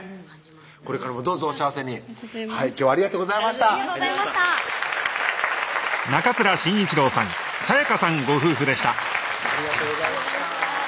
これからもどうぞお幸せに今日はありがとうございましたありがとうございましたありがとうございました